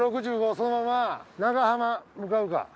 そのまま長浜向かうか。